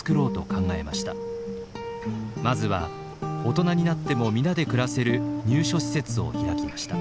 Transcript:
まずは大人になっても皆で暮らせる入所施設を開きました。